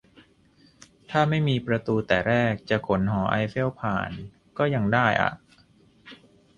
ถ้าไม่มีประตูแต่แรก จะขนหอไอเฟลผ่านก็ยังได้อะ